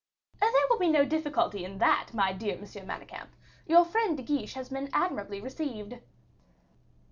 "There will be no difficulty in that, my dear M. Manicamp; your friend De Guiche has been admirably received."